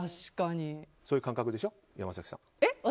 そういう感覚でしょ、山崎さん。